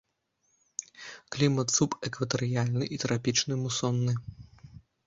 Клімат субэкватарыяльны і трапічны мусонны.